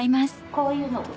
こういうの。